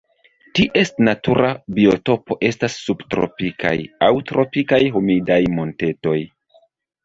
Ties natura biotopo estas subtropikaj aŭ tropikaj humidaj montetoj.